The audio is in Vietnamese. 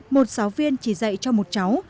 một giáo viên chỉ dạy cho một cháu